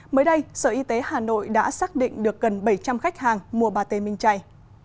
mới đây sở y tế hà nội đã xác định được gần bảy trăm linh khách hàng mua bà tê minh chay